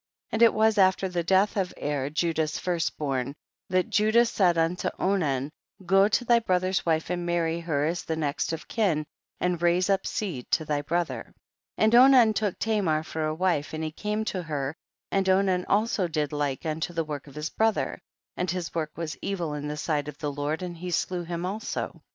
25. And it was after the death of Er, Judah's first born, that Judah said unto Onan, go to thy brother's wife and marry her as the next of kin, and raise up seed to thy brother. 26. And Onan took Tamar for a wife and he came to her, and Onan also did like unto the work of his brother, and his work was evil in the sight of the Lord, and he slew him also.